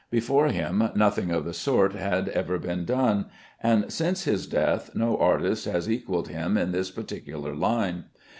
Before him nothing of the sort had ever been done, and since his death no artist has equalled him in this particular line.